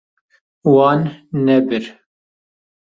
Wan nebir.